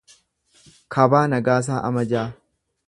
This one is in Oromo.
Kabaa Nagaasaa Amajaa